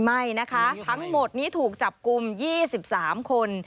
ไม่นะคะทั้งหมดนี้ถูกจับกลุ่ม๒๓คน